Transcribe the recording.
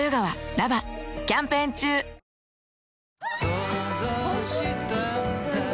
想像したんだ